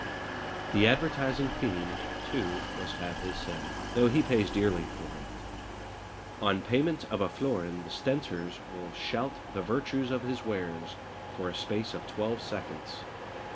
The advertising fiend, too, must have his say, though he pays dearly for it. On payment of a florin the stentors will shout the virtues of his wares for a space of twelve seconds.